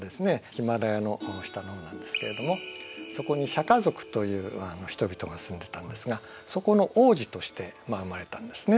ヒマラヤの下の方なんですけれどもそこにシャカ族という人々が住んでたんですがそこの王子として生まれたんですね。